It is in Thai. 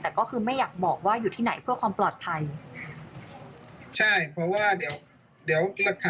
แต่ก็คือไม่อยากบอกว่าอยู่ที่ไหนเพื่อความปลอดภัย